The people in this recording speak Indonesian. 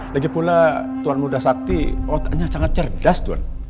lagipula tuan muda sakti otaknya sangat cerdas tuan